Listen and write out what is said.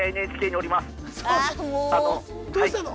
どうしたの？